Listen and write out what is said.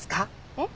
えっ？